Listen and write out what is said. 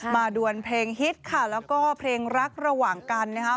ดวนเพลงฮิตค่ะแล้วก็เพลงรักระหว่างกันนะครับ